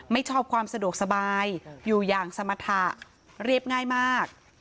ไม่ชอบความสะดวกสบายอยู่อย่างสมรรถะเรียบง่ายมาก